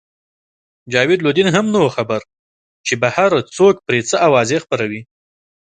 جاوید لودین هم نه وو خبر چې بهر څوک پرې څه اوازې خپروي.